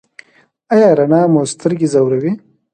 ایا رڼا مو سترګې ځوروي؟